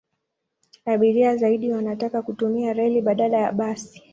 Abiria zaidi wanataka kutumia reli badala ya basi.